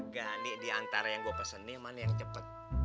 gak nih diantara yang gue pesen nih mana yang cepet